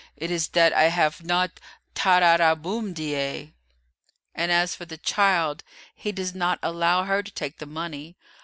_ it is that I have not "Ta ra ra boom de ay."' And, as for the child, he does not allow her to take the money.